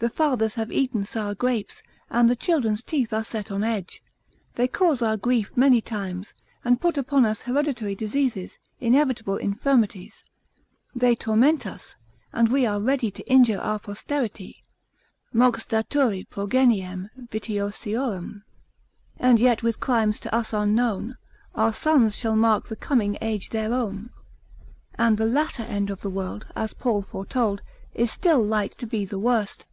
The fathers have eaten sour grapes, and the children's teeth are set on edge. They cause our grief many times, and put upon us hereditary diseases, inevitable infirmities: they torment us, and we are ready to injure our posterity; ———mox daturi progeniem vitiosiorem. And yet with crimes to us unknown, Our sons shall mark the coming age their own; and the latter end of the world, as Paul foretold, is still like to be the worst.